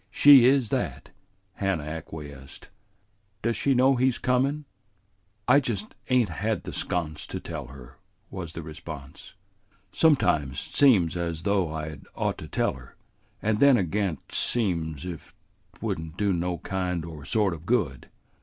"She is that," Hannah acquiesced. "Does she know he's comin'?" "I just ain't had the sconce to tell her," was the response. "Sometimes 't seems just as though I'd ought to tell her, and then agen 't seems if 't would n't do no kind or sort of good.